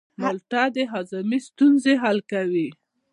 مالټه د هاضمې ستونزې حل کوي.